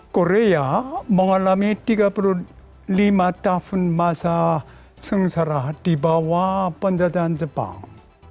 korea mengalami tiga puluh lima tahun masa sengsara di bawah penjajahan jepang